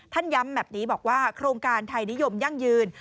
ย้ำแบบนี้บอกว่าโครงการไทยนิยมยั่งยืน